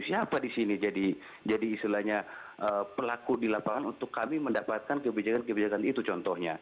siapa di sini jadi istilahnya pelaku di lapangan untuk kami mendapatkan kebijakan kebijakan itu contohnya